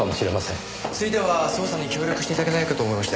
ついては捜査に協力して頂けないかと思いまして。